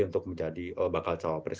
untuk menjadi bakal cawapres